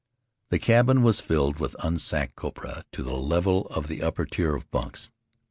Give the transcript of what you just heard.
: The cabin was filled with unsacked copra to the level of the upper tier of bunks.